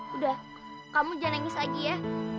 udah kamu jangan nangis lagi ya